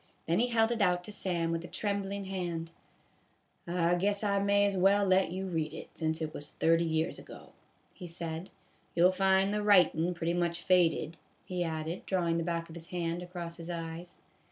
Then he held it out to Sam with a trembling hand. " I guess I may as A BAG OF POP CORN. 165 well let you read it, since it was thirty years ago," he said. " You '11 find the writin' pretty much faded," he added, drawing the back of his hand across his eyes.